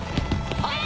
はい！